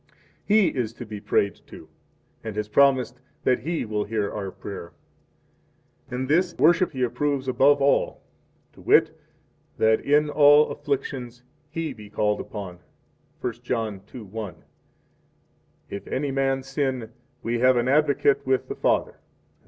3 He is to be prayed to, and has promised that He will hear our prayer; and this worship He approves above all, to wit, that in all afflictions He be called upon, 1 John 2:1: 4 If any man sin, we have an Advocate with the Father, etc.